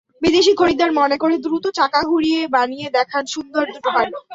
বিদেশি খরিদ্দার মনে করে দ্রুত চাকা ঘুরিয়ে বানিয়ে দেখান সুন্দর দুটো হাঁড়ি।